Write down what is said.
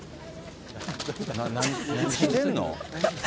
何してんの。